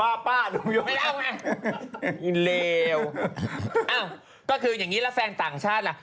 อ้าวก็คืออย่างนี้แล้วแฟนต่างชาติล่ะ